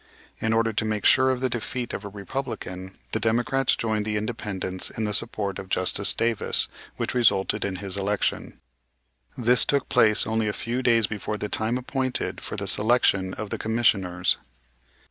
In order to make sure of the defeat of a Republican, the Democrats joined the Independents in the support of Justice Davis, which resulted in his election. This took place only a few days before the time appointed for the selection of the commissioners.